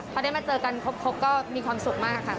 พอได้มาเจอกันครบก็มีความสุขมากค่ะ